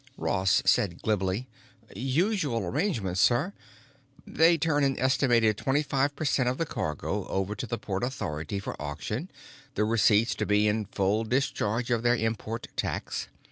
Ross said glibly: "Usual arrangement, sir. They turn an estimated twenty five per cent of the cargo over to the port authority for auction, the receipts to be in full discharge of their import tax.